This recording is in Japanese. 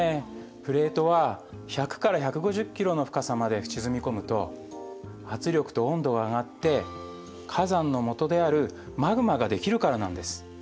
プレートは１００から１５０ｋｍの深さまで沈み込むと圧力と温度が上がって火山のもとであるマグマができるからなんです。